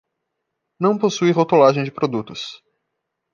Não possui rotulagem de produtos.